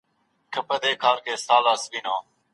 مورنۍ ژبه د زده کړې په لاره کې اسانتیاوې برابروي.